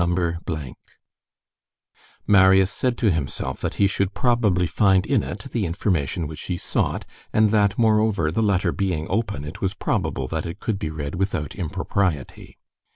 —"_ Marius said to himself, that he should probably find in it the information which he sought, and that, moreover, the letter being open, it was probable that it could be read without impropriety.